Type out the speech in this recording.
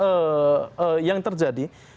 tetapi kalau misalnya kemudian yang terjadi